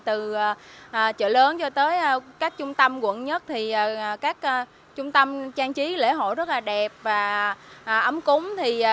từ chợ lớn cho tới các trung tâm quận một các trung tâm trang trí lễ hội rất là đẹp và ấm cúng